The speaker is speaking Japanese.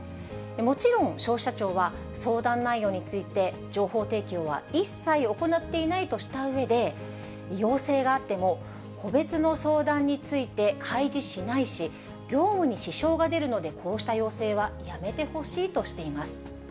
もちろん消費者庁は、相談内容について情報提供は一切行っていないとしたうえで、要請があっても個別の相談について開示しないし、業務に支障が出るので、こうした要請はやめてほしいとしています。